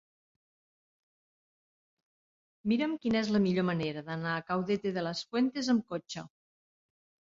Mira'm quina és la millor manera d'anar a Caudete de las Fuentes amb cotxe.